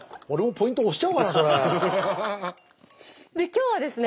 今日はですね